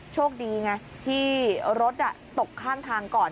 โชคดีไงที่รถตกข้างทางก่อน